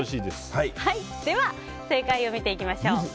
正解を見ていきましょう。